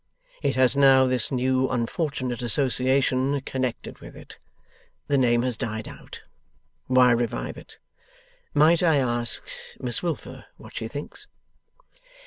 It has now this new unfortunate association connected with it. The name has died out. Why revive it? Might I ask Miss Wilfer what she thinks?